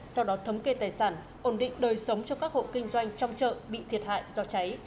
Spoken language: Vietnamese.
sau đó thống kê tài sản ổn định đời sống cho các hộ kinh doanh trong chợ bị thiệt hại do cháy